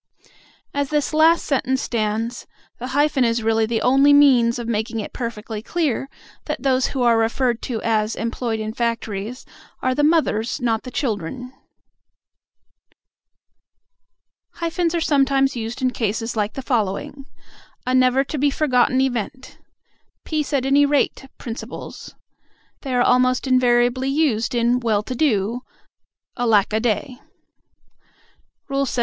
As this last sentence stands, the hyphen is really the only means of making it perfectly clear that those who are referred to as employed in factories are the mothers, not the children. Hyphens are sometimes used in cases like the following: "A never to be forgotten event," "peace at any rate principles." They are almost invariably used in "well to do," "alack a day." LXXII.